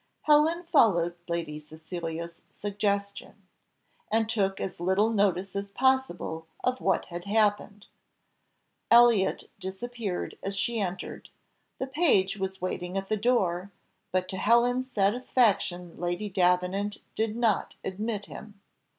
Helen followed Lady Cecilia's suggestion, and took as little notice as possible of what had happened. Elliott disappeared as she entered the page was waiting at the door, but to Helen's satisfaction Lady Davenant did not admit him.